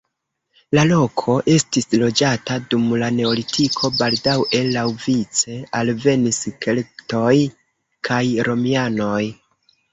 La loko estis loĝata dum la neolitiko, baldaŭe laŭvice alvenis keltoj kaj romianoj.